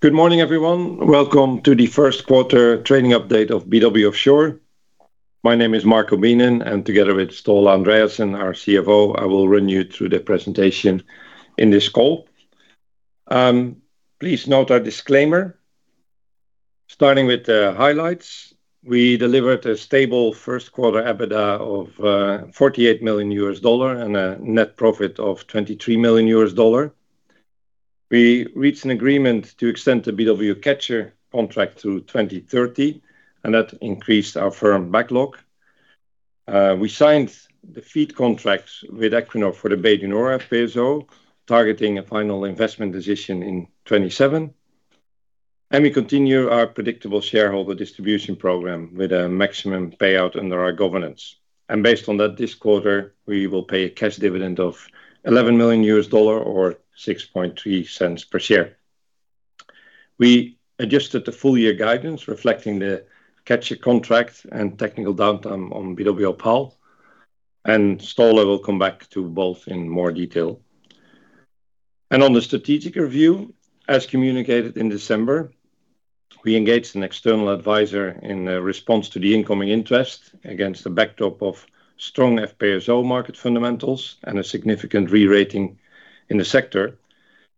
Good morning, everyone. Welcome to the first quarter trading update of BW Offshore. My name is Marco Beenen, together with Ståle Andreassen, our CFO, I will run you through the presentation in this call. Please note our disclaimer. Starting with the highlights. We delivered a stable first quarter EBITDA of $48 million and a net profit of $23 million. We reached an agreement to extend the BW Catcher contract to 2030. That increased our firm backlog. We signed the FEED contracts with Equinor for the Bay du Nord FPSO, targeting a final investment decision in 2027. We continue our predictable shareholder distribution program with a maximum payout under our governance. Based on that, this quarter, we will pay a cash dividend of $11 million or $0.063 per share. We adjusted the full year guidance reflecting the Catcher contract and technical downtime on BW Opal, and Ståle will come back to both in more detail. On the strategic review, as communicated in December, we engaged an external advisor in response to the incoming interest against the backdrop of strong FPSO market fundamentals and a significant re-rating in the sector.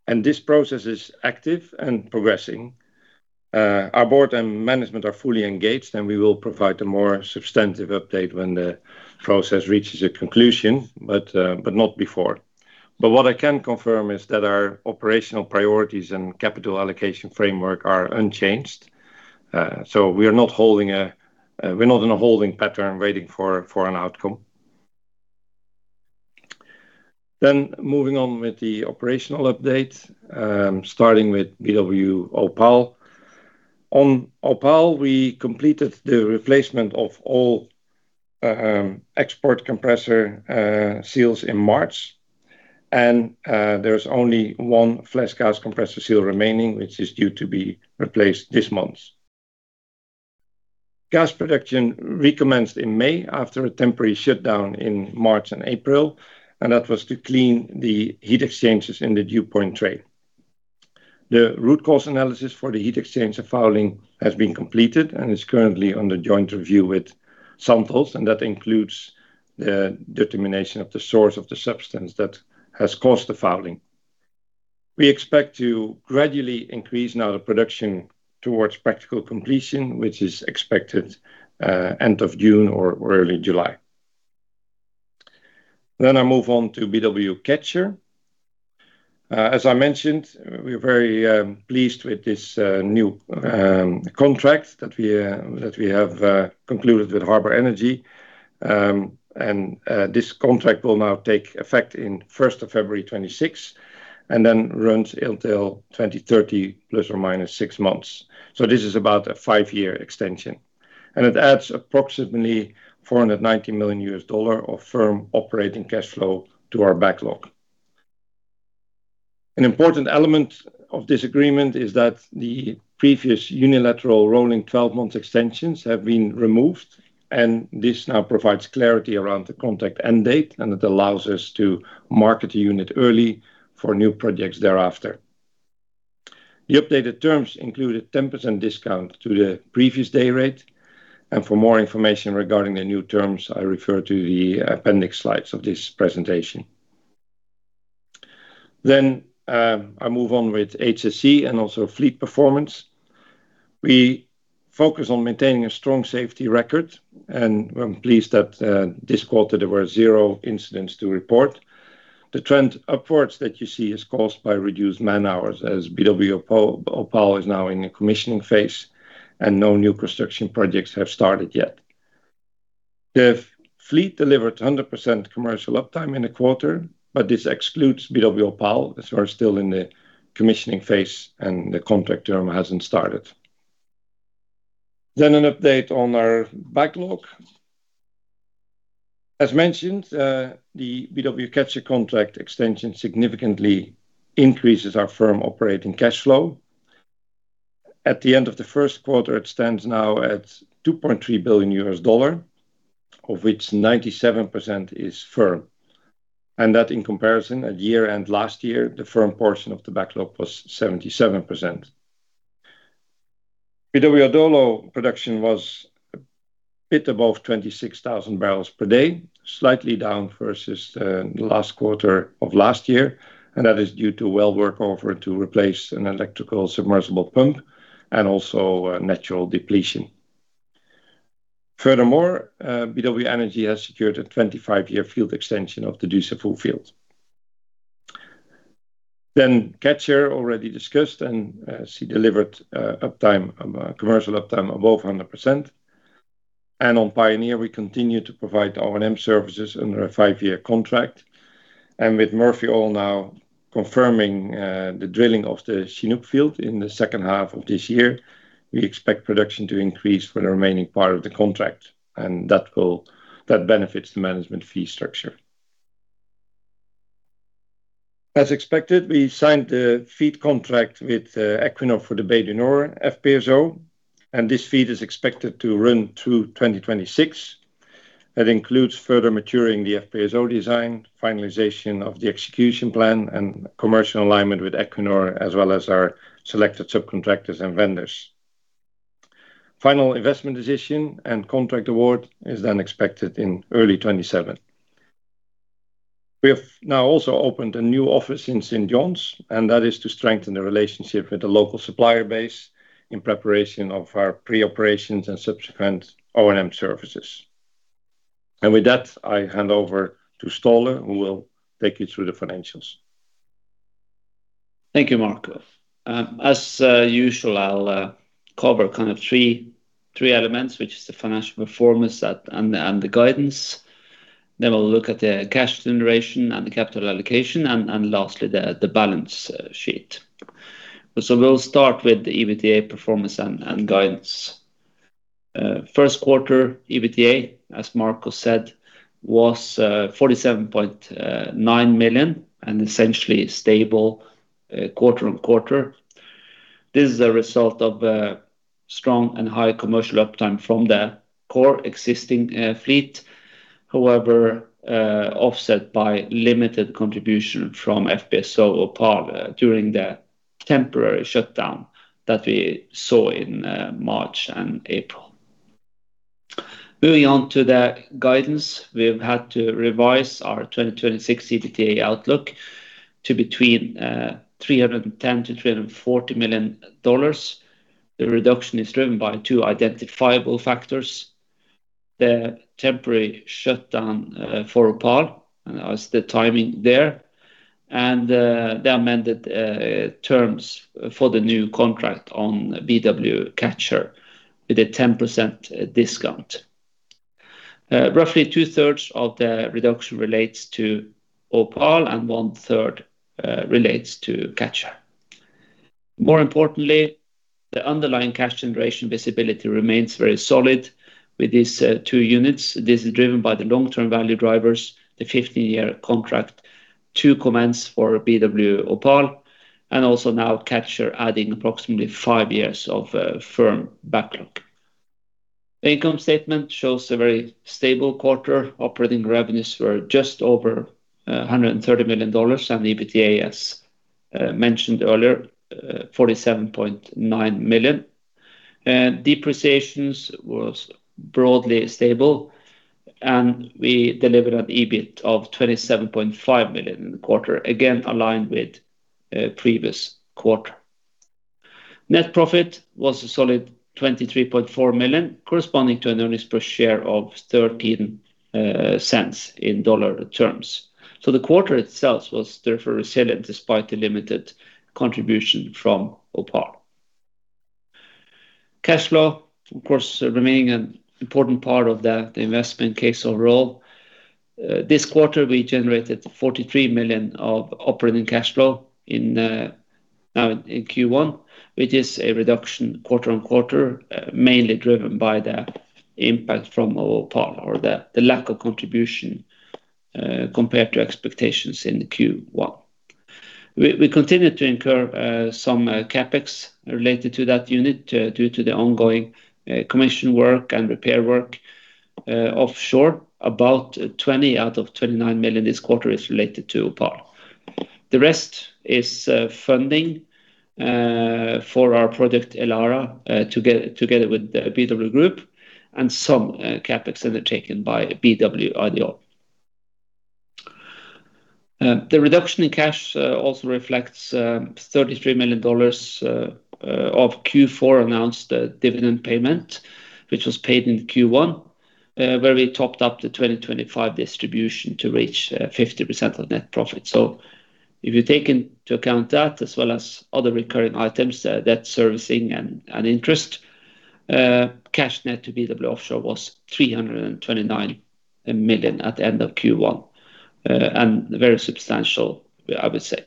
This process is active and progressing. Our board and management are fully engaged, and we will provide a more substantive update when the process reaches a conclusion, but not before. What I can confirm is that our operational priorities and capital allocation framework are unchanged. We're not in a holding pattern waiting for an outcome. Moving on with the operational update, starting with BW Opal. On Opal, we completed the replacement of all export compressor seals in March. There is only one flash gas compressor seal remaining, which is due to be replaced this month. Gas production recommenced in May after a temporary shutdown in March and April, and that was to clean the heat exchangers in the dew point train. The root cause analysis for the heat exchanger fouling has been completed and is currently under joint review with Santos, and that includes the determination of the source of the substance that has caused the fouling. We expect to gradually increase now the production towards practical completion, which is expected end of June or early July. I move on to BW Catcher. As I mentioned, we're very pleased with this new contract that we have concluded with Harbour Energy. This contract will now take effect in 1st of February 2026 and runs until 2030 ±6 months. This is about a five-year extension. It adds approximately $490 million of firm operating cash flow to our backlog. An important element of this agreement is that the previous unilateral rolling 12-month extensions have been removed, this now provides clarity around the contract end date, it allows us to market the unit early for new projects thereafter. The updated terms include a 10% discount to the previous day rate. For more information regarding the new terms, I refer to the appendix slides of this presentation. I move on with HSE and also fleet performance. We focus on maintaining a strong safety record, and I'm pleased that, this quarter there were zero incidents to report. The trend upwards that you see is caused by reduced man-hours as BW Opal is now in the commissioning phase and no new construction projects have started yet. The fleet delivered 100% commercial uptime in the quarter, but this excludes BW Opal as we are still in the commissioning phase and the contract term hasn't started. An update on our backlog. As mentioned, the BW Catcher contract extension significantly increases our firm operating cash flow. At the end of the first quarter, it stands now at $2.3 billion, of which 97% is firm. That in comparison, at year-end last year, the firm portion of the backlog was 77%. BW Adolo production was a bit above 26,000 bpd, slightly down versus the last quarter of last year, and that is due to well workover to replace an electrical submersible pump and also natural depletion. Furthermore, BW Energy has secured a 25-year field extension of the Dussafu field. BW Catcher already discussed and she delivered uptime, commercial uptime above 100%. On BW Pioneer, we continue to provide O&M services under a five-year contract. With Murphy Oil now confirming the drilling of the Chinook field in the second half of this year, we expect production to increase for the remaining part of the contract, and that will benefit the management fee structure. As expected, we signed the FEED contract with Equinor for the Bay du Nord FPSO. This FEED is expected to run through 2026. That includes further maturing the FPSO design, finalization of the execution plan, and commercial alignment with Equinor, as well as our selected subcontractors and vendors. Final Investment Decision and contract award is then expected in early 2027. We have now also opened a new office in St. John's, and that is to strengthen the relationship with the local supplier base in preparation of our pre-operations and subsequent O&M services. With that, I hand over to Ståle, who will take you through the financials. Thank you, Marco. As usual, I'll cover kind of three elements, which is the financial performance and the guidance. We'll look at the cash generation and the capital allocation, and lastly the balance sheet. We'll start with the EBITDA performance and guidance. First quarter EBITDA, as Marco said, was $47.9 million and essentially stable quarter-on-quarter. This is a result of strong and high commercial uptime from the core existing fleet. However, offset by limited contribution from FPSO Opal during the temporary shutdown that we saw in March and April. Moving on to the guidance, we've had to revise our 2026 EBITDA outlook to between $310 million-$340 million. The reduction is driven by two identifiable factors, the temporary shutdown for Opal, and as the timing there, and the amended terms for the new contract on BW Catcher with a 10% discount. Roughly two-thirds of the reduction relates to Opal and one-third relates to Catcher. More importantly, the underlying cash generation visibility remains very solid with these two units. This is driven by the long-term value drivers, the 15-year contract, two commands for BW Opal, and also now Catcher adding approximately five years of firm backlog. Income statement shows a very stable quarter. Operating revenues were just over $130 million, and EBITDA, as mentioned earlier, $47.9 million. Depreciations was broadly stable, and we delivered an EBIT of $27.5 million in the quarter, again, aligned with previous quarter. Net profit was a solid $23.4 million, corresponding to an earnings per share of $0.13 in dollar terms. The quarter itself was therefore resilient despite the limited contribution from Opal. Cash flow, of course, remaining an important part of the investment case overall. This quarter we generated $43 million of operating cash flow now in Q1, which is a reduction quarter-on-quarter, mainly driven by the impact from Opal or the lack of contribution compared to expectations in the Q1. We continue to incur some CapEx related to that unit due to the ongoing commission work and repair work offshore. About 20 out of 29 million this quarter is related to Opal. The rest is funding for our project Elara together with the BW Group and some CapEx undertaken by BW Ideol. The reduction in cash also reflects $33 million of Q4 announced dividend payment, which was paid in Q1, where we topped up the 2025 distribution to reach 50% of net profit. If you take into account that, as well as other recurring items, debt servicing and interest, cash net to BW Offshore was $329 million at the end of Q1. Very substantial, I would say.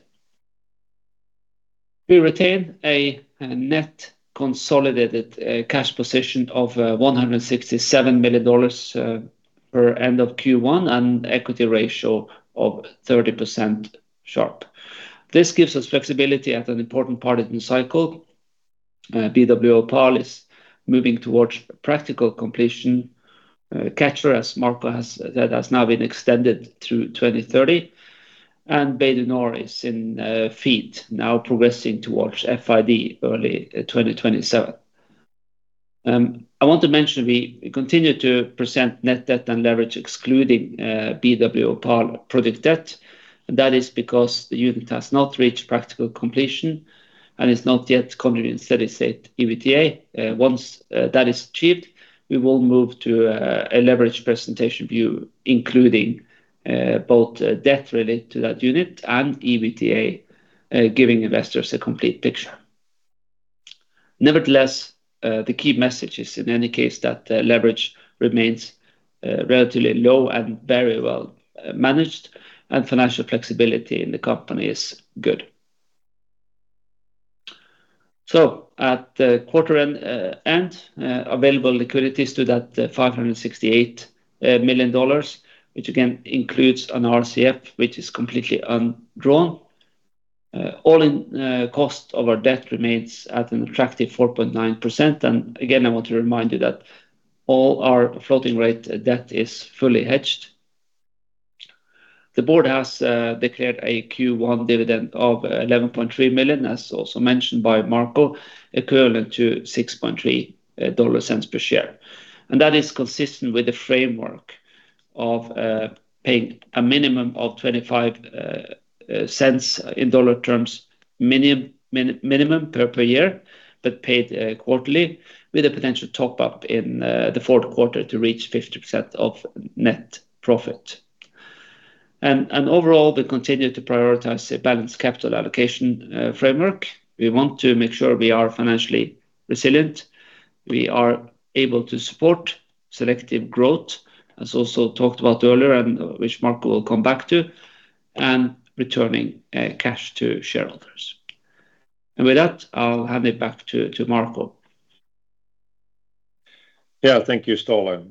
We retain a net consolidated cash position of $167 million per end of Q1 and equity ratio of 30% sharp. This gives us flexibility at an important part of the cycle. BW Opal is moving towards practical completion. Catcher, as Marco has said, has now been extended through 2030, and Bay du Nord is in FEED now progressing towards FID early 2027. I want to mention we continue to present net debt and leverage excluding BW Opal project debt. That is because the unit has not reached practical completion and is not yet contributing steady-state EBITDA. Once that is achieved, we will move to a leverage presentation view, including both debt related to that unit and EBITDA, giving investors a complete picture. Nevertheless, the key message is in any case that leverage remains relatively low and very well managed and financial flexibility in the company is good. At the quarter end, available liquidity stood at $568 million, which again includes an RCF which is completely undrawn. All in, cost of our debt remains at an attractive 4.9%. Again, I want to remind you that all our floating rate debt is fully hedged. The board has declared a Q1 dividend of $11.3 million, as also mentioned by Marco, equivalent to $0.063 per share. That is consistent with the framework of paying a minimum of $0.25 in dollar terms, minimum per year, but paid quarterly with a potential top-up in the fourth quarter to reach 50% of net profit. Overall, we continue to prioritize a balanced capital allocation framework. We want to make sure we are financially resilient. We are able to support selective growth, as also talked about earlier and which Marco will come back to, and returning cash to shareholders. With that, I'll hand it back to Marco. Thank you, Ståle.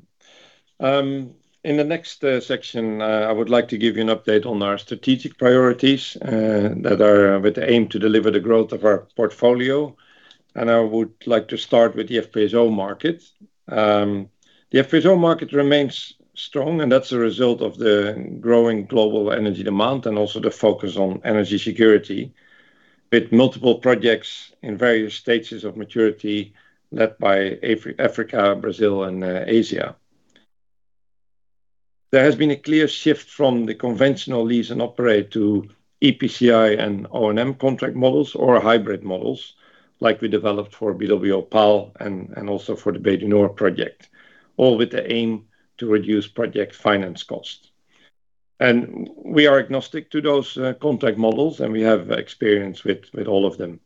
In the next section, I would like to give you an update on our strategic priorities that are with the aim to deliver the growth of our portfolio. I would like to start with the FPSO market. The FPSO market remains strong, and that's a result of the growing global energy demand and also the focus on energy security with multiple projects in various stages of maturity led by Africa, Brazil and Asia. There has been a clear shift from the conventional lease and operate to EPCI and O&M contract models or hybrid models like we developed for BW Opal and also for the Bay du Nord project, all with the aim to reduce project finance cost. We are agnostic to those contract models, and we have experience with all of them.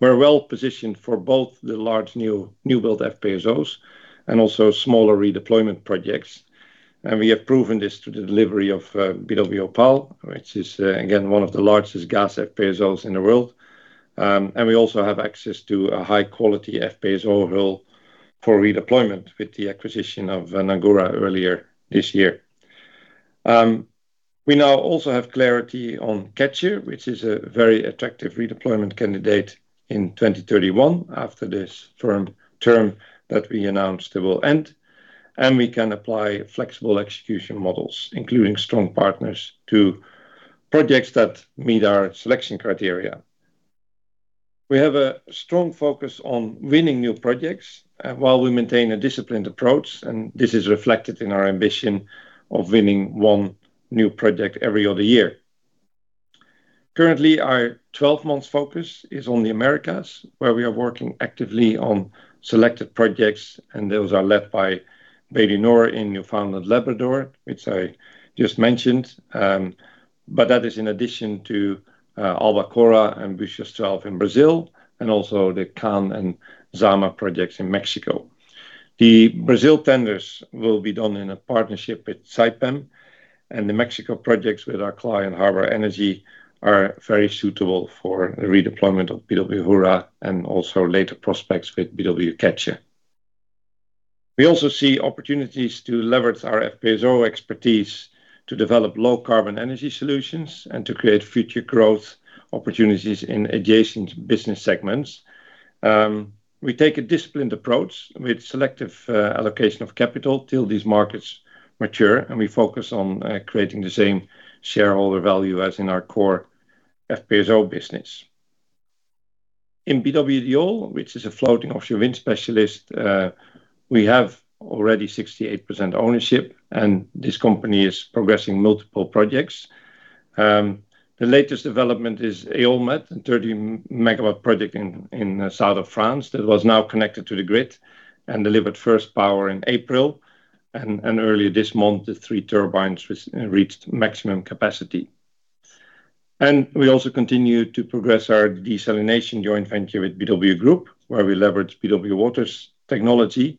We're well-positioned for both the large new-build FPSOs and also smaller redeployment projects. We have proven this through the delivery of BW Opal, which is again, one of the largest gas FPSOs in the world. We also have access to a high-quality FPSO hull for redeployment with the acquisition of Nganhurra earlier this year. We now also have clarity on Catcher, which is a very attractive redeployment candidate in 2031 after this term that we announced it will end. We can apply flexible execution models, including strong partners to projects that meet our selection criteria. We have a strong focus on winning new projects while we maintain a disciplined approach, and this is reflected in our ambition of winning one new project every other year. Currently, our 12 months focus is on the Americas, where we are working actively on selected projects. Those are led by Bay du Nord in Newfoundland, Labrador, which I just mentioned. That is in addition to Albacora and Búzios 12 in Brazil and also the Kan and Zama projects in Mexico. The Brazil tenders will be done in a partnership with Saipem. The Mexico projects with our client, Harbour Energy, are very suitable for the redeployment of BW Hurra and also later prospects with BW Catcher. We also see opportunities to leverage our FPSO expertise to develop low-carbon energy solutions and to create future growth opportunities in adjacent business segments. We take a disciplined approach with selective allocation of capital till these markets mature. We focus on creating the same shareholder value as in our core FPSO business. In BW Ideol, which is a floating offshore wind specialist, we have already 68% ownership, this company is progressing multiple projects. The latest development is EolMed, a 30 MW project in south of France that was now connected to the grid and delivered first power in April. Earlier this month, the three turbines has reached maximum capacity. We also continue to progress our desalination joint venture with BW Group, where we leverage BW Water technology.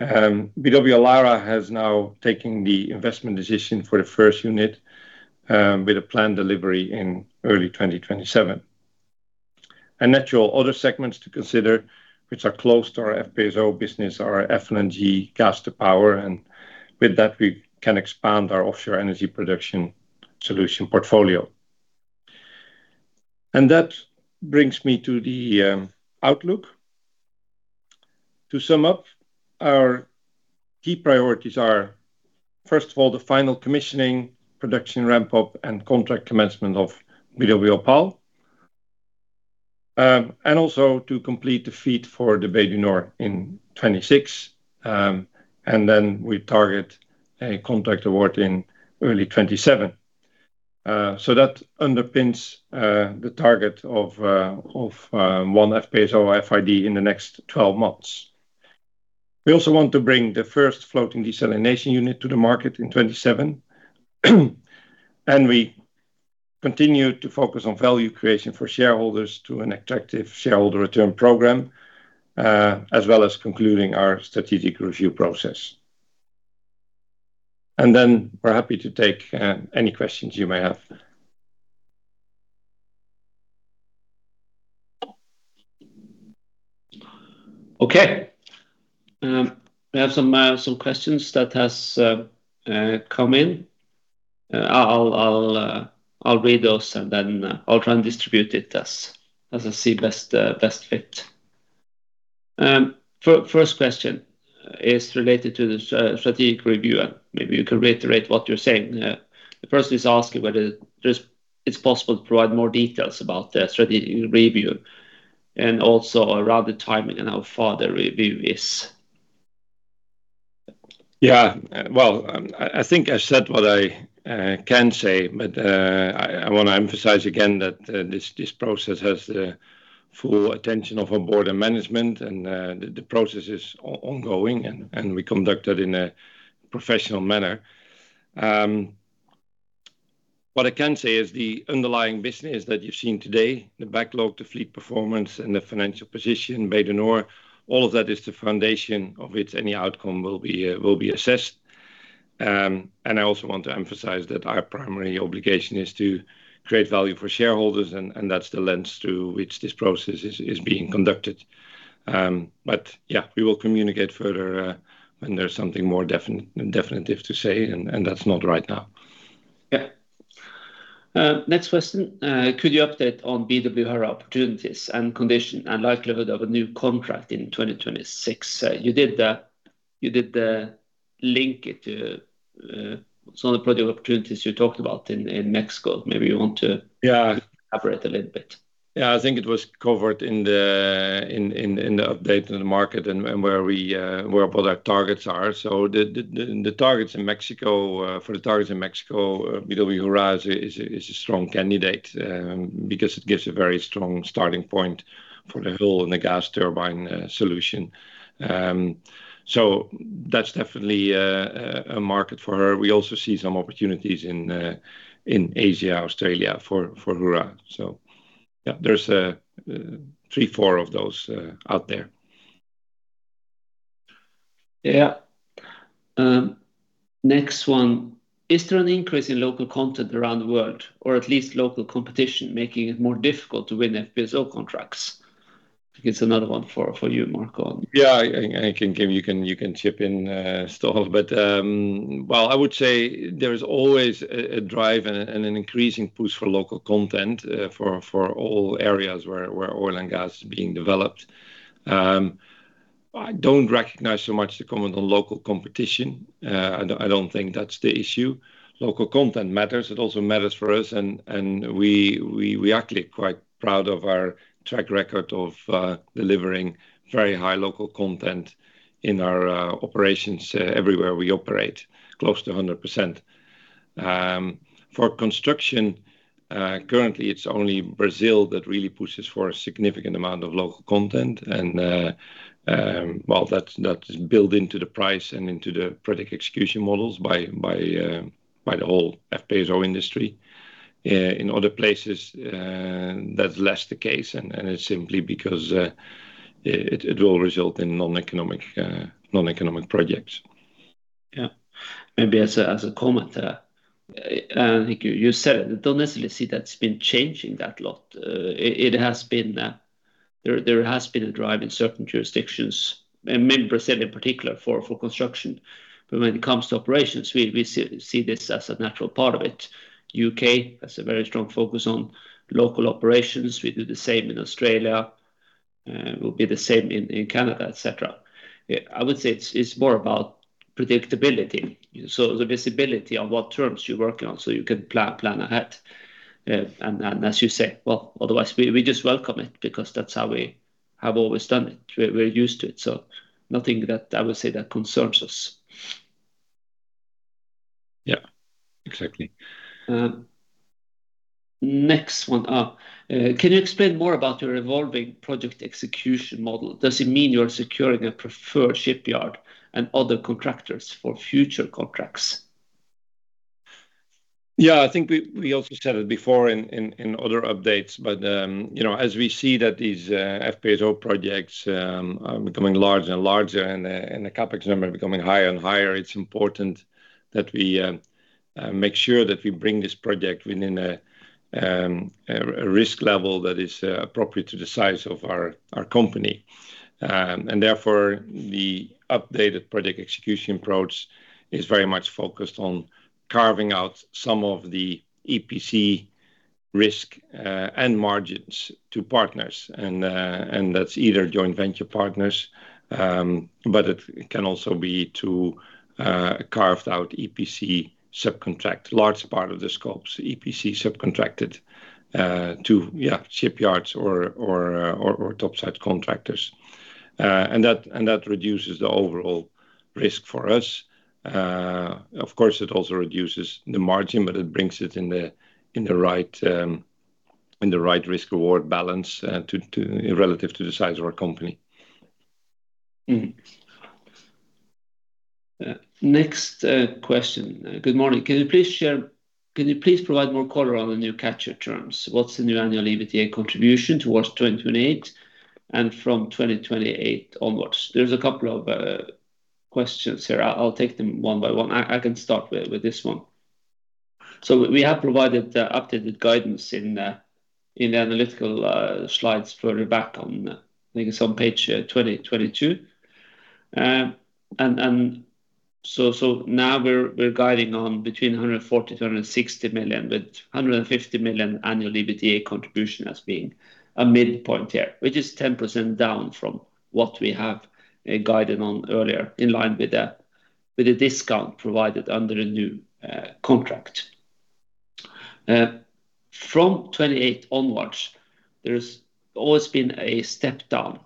BW Elara has now taken the investment decision for the first unit with a planned delivery in early 2027. Natural other segments to consider, which are close to our FPSO business are FLNG, gas-to-power, and with that, we can expand our offshore energy production solution portfolio. That brings me to the outlook. To sum up, our key priorities are, first of all, the final commissioning, production ramp-up, and contract commencement of BW Opal. Also to complete the FEED for the Bay du Nord in 2026. Then we target a contract award in early 2027. That underpins the target of one FPSO FID in the next 12 months. We also want to bring the first floating desalination unit to the market in 2027. We continue to focus on value creation for shareholders through an attractive shareholder return program, as well as concluding our strategic review process. Then we're happy to take any questions you may have. Okay. We have some questions that has come in. I'll read those and then I'll try and distribute it as I see best fit. First question is related to the strategic review. Maybe you can reiterate what you're saying. The person is asking whether it's possible to provide more details about the strategic review and also around the timing and how far the review is. Yeah. Well, I think I said what I can say, but I want to emphasize again that this process has the full attention of our board and management and the process is ongoing, and we conduct it in a professional manner. What I can say is the underlying business that you've seen today, the backlog, the fleet performance and the financial position, Bay du Nord, all of that is the foundation of which any outcome will be assessed. I also want to emphasize that our primary obligation is to create value for shareholders, and that's the lens through which this process is being conducted. Yeah, we will communicate further when there's something more definitive to say, and that's not right now. Yeah. Next question. Could you update on BW Hurra opportunities and condition and likelihood of a new contract in 2026? You did link it to some of the project opportunities you talked about in Mexico. Maybe you want to— Yeah. —elaborate a little bit. Yeah. I think it was covered in the update in the market and where all our targets are. The targets in Mexico, BW Hurra is a strong candidate because it gives a very strong starting point for the hull and the gas turbine solution. That's definitely a market for her. We also see some opportunities in Asia, Australia for Hurra. Yeah, there's three, four of those out there. Next one. Is there an increase in local content around the world, or at least local competition making it more difficult to win FPSO contracts? I think it's another one for you, Marco. Yeah, and you can chip in, Ståle. Well, I would say there is always a drive and an increasing push for local content for all areas where oil and gas is being developed. I don't recognize so much the comment on local competition. I don't think that's the issue. Local content matters. It also matters for us. We are actually quite proud of our track record of delivering very high local content in our operations everywhere we operate, close to 100%. For construction, currently it's only Brazil that really pushes for a significant amount of local content, well, that's built into the price and into the project execution models by the whole FPSO industry. In other places, that's less the case and it's simply because it will result in non-economic, non-economic projects. Yeah. Maybe as a, as a comment, like you said, I don't necessarily see that's been changing that lot. It has been, there has been a drive in certain jurisdictions and mainly Brazil in particular for construction. When it comes to operations, we see this as a natural part of it. U.K. has a very strong focus on local operations. We do the same in Australia, will be the same in Canada, et cetera. I would say it's more about predictability, so the visibility on what terms you're working on so you can plan ahead. As you say, well, otherwise we just welcome it because that's how we have always done it. We're used to it, nothing that I would say that concerns us. Yeah, exactly. Next one. Can you explain more about your evolving project execution model? Does it mean you are securing a preferred shipyard and other contractors for future contracts? Yeah, I think we also said it before in other updates, but, you know, as we see that these FPSO projects are becoming larger and larger and the CapEx number becoming higher and higher, it's important that we make sure that we bring this project within a risk level that is appropriate to the size of our company. Therefore, the updated project execution approach is very much focused on carving out some of the EPC risk and margins to partners. That's either joint venture partners, but it can also be to carve out EPC subcontract, large part of the scopes, EPC subcontracted to shipyards or topside contractors. That reduces the overall risk for us. Of course, it also reduces the margin, but it brings it in the right risk-reward balance relative to the size of our company. Next question. Good morning. Can you please provide more color on the new BW Catcher terms? What's the new annual EBITDA contribution towards 2028 and from 2028 onwards? There's a couple of questions here. I'll take them one by one. I can start with this one. We have provided the updated guidance in the analytical slides further back on, I think it's on page 22. Now we are guiding on between $140 million-$160 million, with a $150 million annual EBITDA contribution as being a midpoint here, which is 10% down from what we have guided on earlier, in line with the discount provided under the new contract. From 2028 onwards, there's always been a step down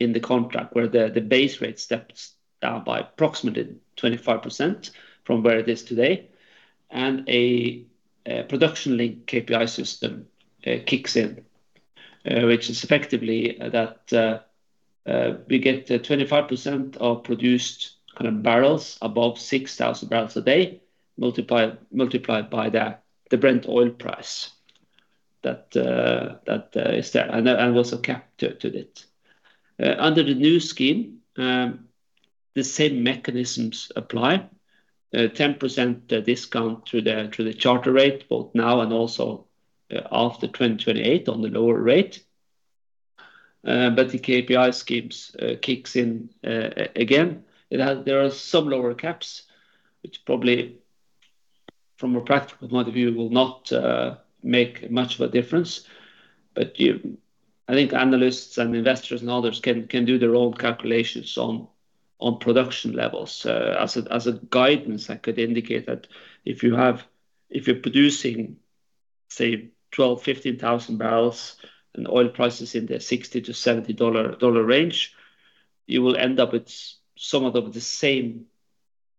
in the contract where the base rate steps down by approximately 25% from where it is today. A production linked KPI system kicks in, which is effectively that we get 25% of produced kind of barrels above 6,000 bpd, multiplied by the Brent oil price that is there and also capped to it. Under the new scheme, the same mechanisms apply. 10% discount to the charter rate, both now and also after 2028 on the lower rate. The KPI schemes kicks in again. There are some lower caps, which probably from a practical point of view, will not make much of a difference. I think analysts and investors and others can do their own calculations on production levels. As a guidance, I could indicate that if you're producing, say, 12,000, 15,000 barrels and oil prices in the $60-$70 range, you will end up with some of the same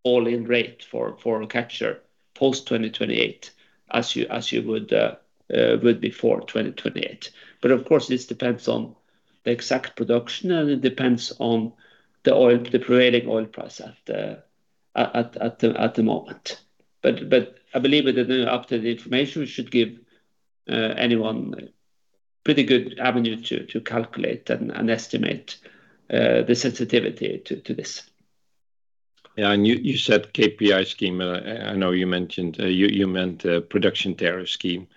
all-in rate for Catcher post 2028 as you would before 2028. Of course, this depends on the exact production, and it depends on the prevailing oil price at the moment. I believe that the updated information we should give anyone pretty good avenue to calculate and estimate the sensitivity to this. Yeah. You said KPI scheme. I know you mentioned, you meant, production tariff scheme.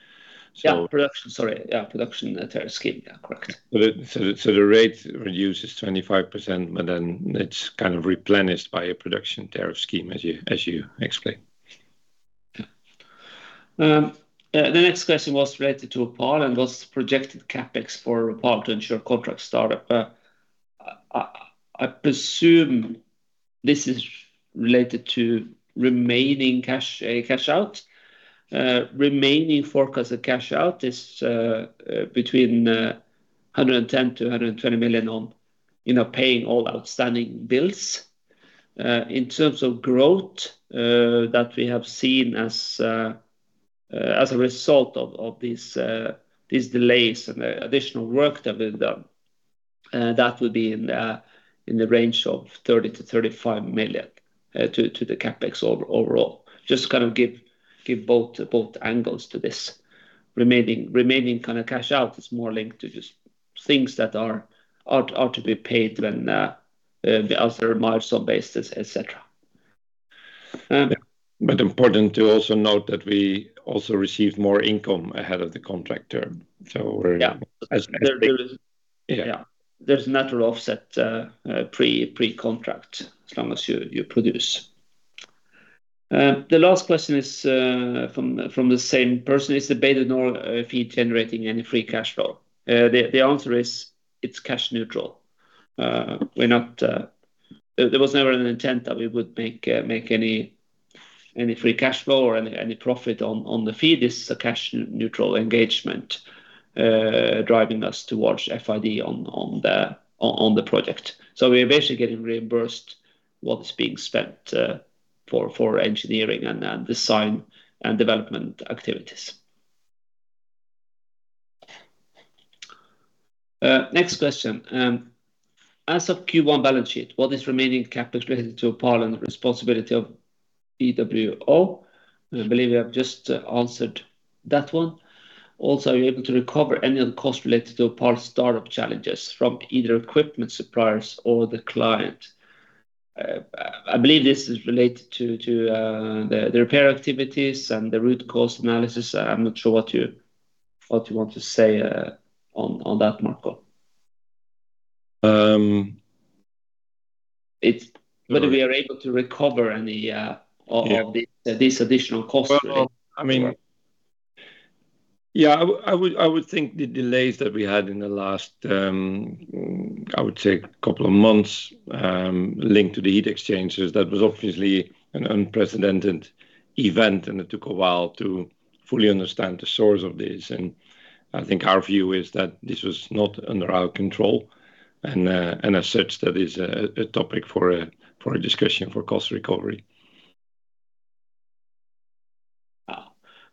Yeah, production. Sorry. Yeah, production tariff scheme. Yeah, correct. The rate reduces 25%, but then it's kind of replenished by a production tariff scheme as you explained. The next question was related to Opal and was projected CapEx for Opal to ensure contract startup. I presume this is related to remaining cash out. Remaining forecast of cash out is between $110 million-$120 million on, you know, paying all outstanding bills. In terms of growth that we have seen as a result of these delays and the additional work that we've done, that would be in the range of $30 million-$35 million to the CapEx overall. Just to kind of give both angles to this. Remaining kind of cash out is more linked to just things that are to be paid when the other milestones based, et cetera. Important to also note that we also received more income ahead of the contract term. Yeah. Yeah. Yeah. There's a natural offset, pre-contract as long as you produce. The last question is from the same person. Is the Bay du Nord FEED generating any free cash flow? The answer is it's cash neutral. We're not. There was never an intent that we would make any free cash flow or any profit on the FEED. This is a cash neutral engagement, driving us towards FID on the project. We're basically getting reimbursed what is being spent for engineering and design and development activities. Next question. As of Q1 balance sheet, what is remaining CapEx related to BW Opal and the responsibility of BWO? I believe we have just answered that one. Also, are you able to recover any of the costs related to Opal startup challenges from either equipment suppliers or the client? I believe this is related to the repair activities and the root cause analysis. I'm not sure what you want to say on that, Marco. It's whether we are able to recover any— Yeah. —these additional costs related to— Well, I mean, yeah, I would think the delays that we had in the last, I would say couple of months, linked to the heat exchangers, that was obviously an unprecedented event, and it took a while to fully understand the source of this. I think our view is that this was not under our control, and as such, that is a topic for a discussion for cost recovery.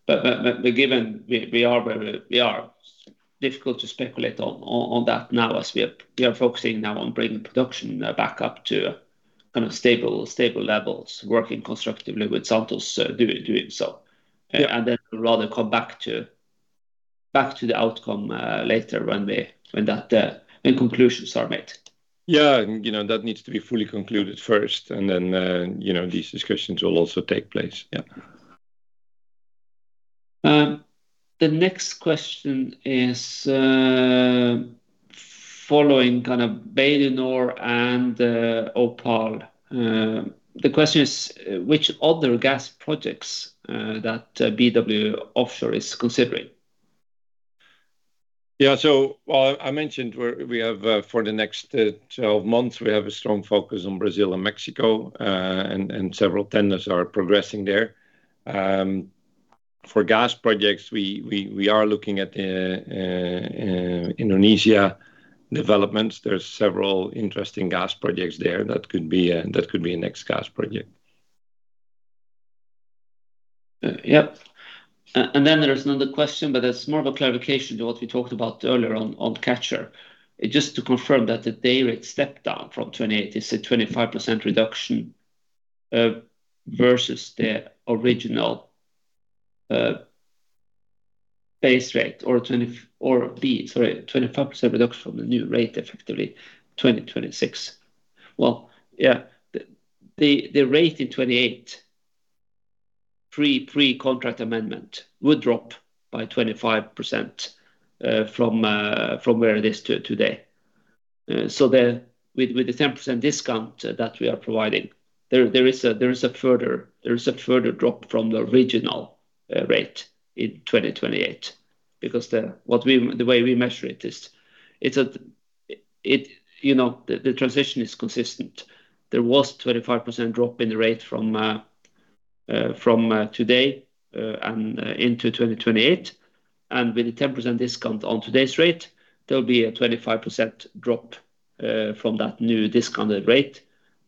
Given we are difficult to speculate on that now as we are focusing now on bringing production back up to kind of stable levels, working constructively with Santos, doing so. Yeah. Rather come back to the outcome later when that, when conclusions are made. Yeah. You know, that needs to be fully concluded first, and then, you know, these discussions will also take place. Yeah. The next question is, following kind of Bay du Nord and Opal. The question is, which other gas projects that BW Offshore is considering? Yeah. Well, I mentioned we have for the next 12 months, we have a strong focus on Brazil and Mexico, and several tenders are progressing there. For gas projects, we are looking at Indonesia developments. There's several interesting gas projects there that could be a, that could be a next gas project. Yep. Then there is another question, but it's more of a clarification to what we talked about earlier on Catcher. Just to confirm that the day rate stepped down from 2028 is a 25% reduction versus the original base rate or 25% reduction from the new rate, effectively 2026. Well, yeah, the rate in 2028 pre-contract amendment would drop by 25% from where it is today. So with the 10% discount that we are providing, there is a further drop from the original rate in 2028 because the way we measure it is, it's a, you know, the transition is consistent. There was 25% drop in the rate from today, and into 2028, and with the 10% discount on today's rate, there'll be a 25% drop from that new discounted rate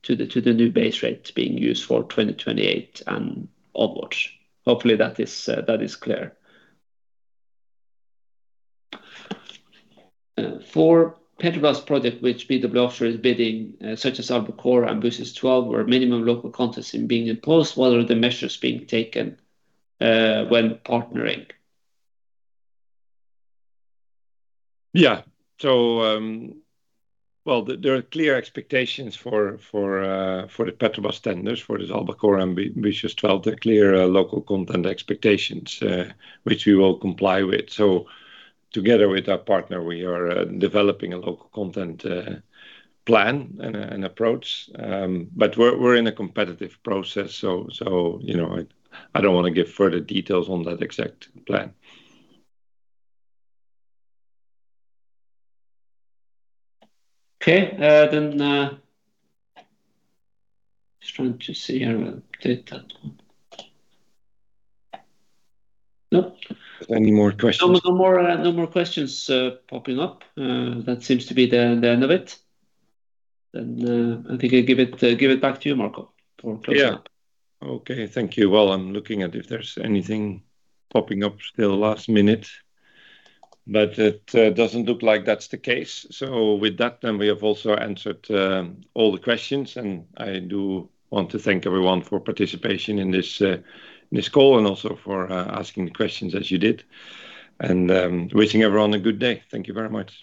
to the, to the new base rate being used for 2028 and onwards. Hopefully that is, that is clear. For Petrobras project which BW Offshore is bidding, such as Albacora and Búzios 12, where minimum local contents are being imposed, what are the measures being taken when partnering? Yeah. Well, there are clear expectations for the Petrobras tenders, for this Albacora and Búzios 12, the clear local content expectations, which we will comply with. Together with our partner, we are developing a local content plan and approach. But we're in a competitive process, so, you know, I don't wanna give further details on that exact plan. Okay. Just trying to see here. Did that one. Nope. Any more questions? No, no more questions popping up. That seems to be the end of it. I think I give it back to you, Marco, for closing up. Yeah. Okay. Thank you. Well, I'm looking at if there's anything popping up still last minute, but it doesn't look like that's the case. With that, we have also answered all the questions, and I do want to thank everyone for participation in this call and also for asking the questions as you did. Wishing everyone a good day. Thank you very much.